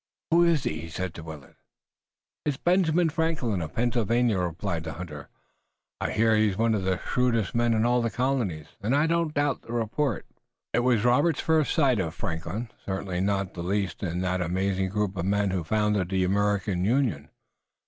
"Who is he?" he said to Willet. "It's Benjamin Franklin, of Pennsylvania," replied the hunter. "I hear he's one of the shrewdest men in all the colonies, and I don't doubt the report." It was Robert's first sight of Franklin, certainly not the least in that amazing group of men who founded the American Union.